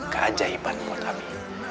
keajaiban buat abi